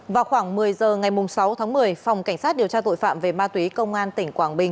vào khoảng một mươi h ngày sáu tháng một mươi phòng cảnh sát điều tra tội phạm về ma túy công an tỉnh quảng bình